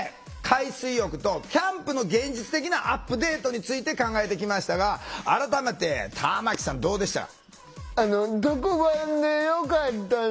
海水浴とキャンプの現実的なアップデートについて考えてきましたが改めて玉木さんどうでした？